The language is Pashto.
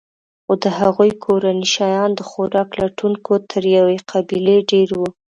خو د هغوی کورنۍ شیان د خوراک لټونکو تر یوې قبیلې ډېر وو.